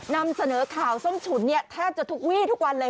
นำเสนอข่าวส้มฉุนเนี่ยแทบจะทุกวี่ทุกวันเลย